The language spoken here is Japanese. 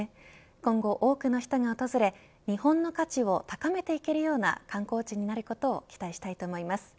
今後、多くの人が訪れ日本の価値を高めていけるような観光地になることを期待したいと思います。